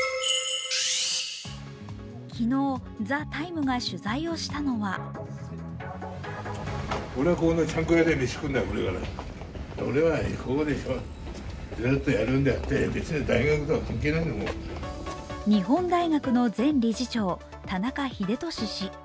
昨日、「ＴＨＥＴＩＭＥ，」が取材をしたのは日本大学の前理事長田中英寿氏。